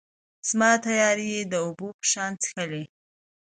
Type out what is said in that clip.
زما تیارې یې د اوبو په شان چیښلي